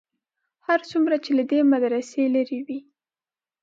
هر څومره چې له دې مدرسې لرې وې.